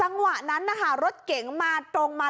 จังหวะนั้นนะคะรถเก๋งมาตรงมา